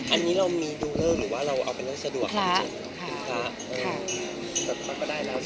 อันนี้เรามีดูเรื่องหรือว่าเราเอาเป็นเรื่องสะดวกของเจน